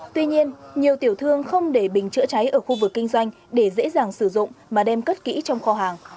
tuy nhiên nhiều tiểu thương không để bình chữa cháy ở khu vực kinh doanh để dễ dàng sử dụng mà đem cất kỹ trong kho hàng